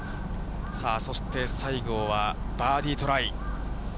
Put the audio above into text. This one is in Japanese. さあ、そして西郷はバーディートライ。